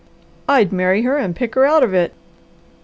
"I'd marry her and pick her out of it!"